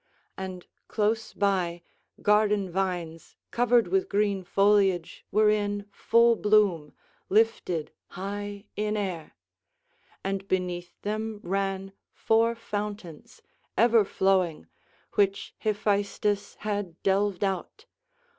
And close by garden vines covered with green foliage were in full bloom, lifted high in air. And beneath them ran four fountains, ever flowing, which Hephaestus had delved out.